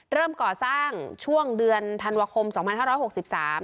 เริ่มก่อสร้างช่วงเดือนธันวาคมสองพันห้าร้อยหกสิบสาม